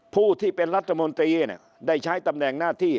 ผู้ที่เป็นรัฐมนตรีได้ใช้ตำแหน่งหน้าที่